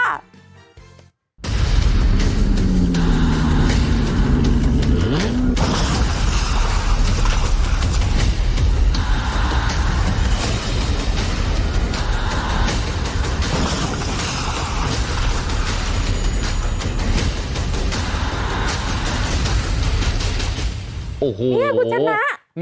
นี่คุณชนะ